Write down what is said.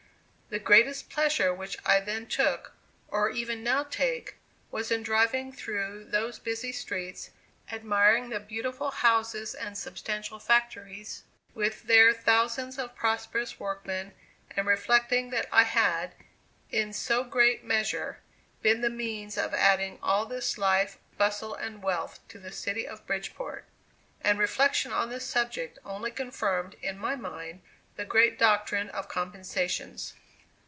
The greatest pleasure which I then took, or even now take, was in driving through those busy streets, admiring the beautiful houses and substantial factories, with their thousands of prosperous workmen, and reflecting that I had, in so great a measure, been the means of adding all this life, bustle and wealth to the City of Bridgeport. And reflection on this subject only confirmed in my mind the great doctrine of compensations.